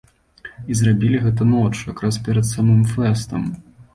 І зрабілі гэта ноччу, якраз перад самым фэстам.